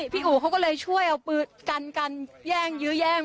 อู๋เขาก็เลยช่วยเอาปืนกันกันแย่งยื้อแย่ง